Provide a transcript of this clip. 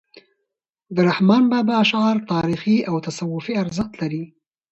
د رحمان بابا اشعار تاریخي او تصوفي ارزښت لري .